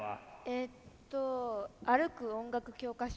えっと歩く音楽教科書。